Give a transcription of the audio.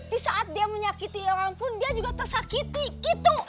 di saat dia menyakiti orang pun dia juga tersakiti gitu